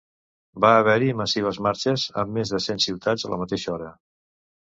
Va haver-hi massives marxes en més de cent ciutats a la mateixa hora.